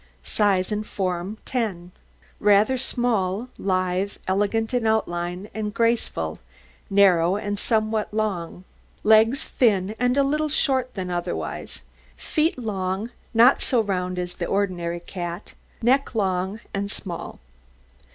SIZE AND FORM 10 Rather small, lithe, elegant in outline, and graceful, narrow and somewhat long; legs thin and a little short than otherwise; feet long, not so round as the ordinary cat; neck long and small.